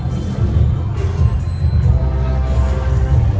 สโลแมคริปราบาล